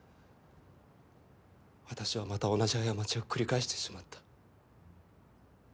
私はまた同じ過ちを繰り返してしまった。